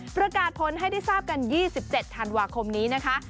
ประกาศผลให้ได้ทราบกัน๒๗ธันวาคมนี้นะคะ